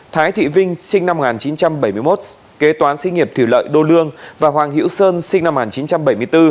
thái thị vinh sinh năm một nghìn chín trăm bảy mươi một kế toán sinh nghiệp thủy lợi đô lương và hoàng hữu sơn sinh năm một nghìn chín trăm bảy mươi bốn